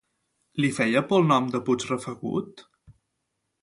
Li feia por el nom de Puigrafegut?